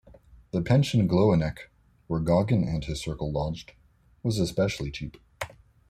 The Pension Gloanec, where Gauguin and his circle lodged, was especially cheap.